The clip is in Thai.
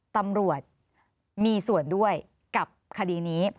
ตำรวจมีส่วนด้วยกับคดีนี้